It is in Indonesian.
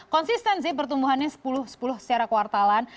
konsisten sih pertumbuhannya sepuluh sepuluh secara kuartalan